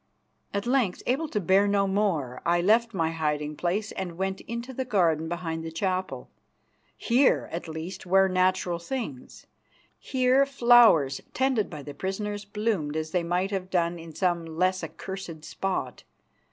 At length, able to bear no more, I left my hiding place and went into the garden behind the chapel. Here, at least, were natural things. Here flowers, tended by the prisoners, bloomed as they might have done in some less accursed spot.